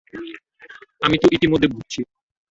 আমি তো ইতিমধ্যে ভুগছি।